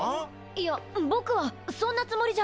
いやボクはそんなつもりじゃ。